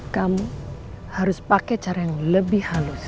kamu harus pakai cara yang lebih halus